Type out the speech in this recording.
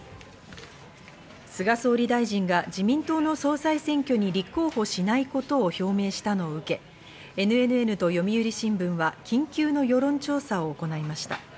菅総理大臣が自民党の総裁選挙に立候補しないことを表明したのを受け、ＮＮＮと読売新聞は緊急の世論調査を行いました。